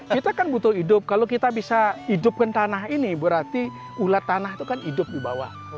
kita kan butuh hidup kalau kita bisa hidupkan tanah ini berarti ulat tanah itu kan hidup di bawah